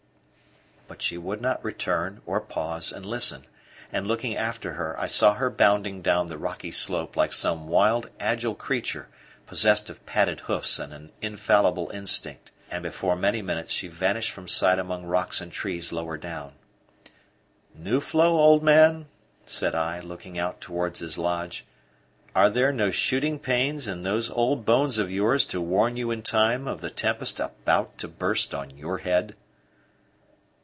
But she would not return or pause and listen; and looking after her, I saw her bounding down the rocky slope like some wild, agile creature possessed of padded hoofs and an infallible instinct; and before many minutes she vanished from sight among crabs and trees lower down. "Nuflo, old man," said I, looking out towards his lodge, "are there no shooting pains in those old bones of yours to warn you in time of the tempest about to burst on your head?"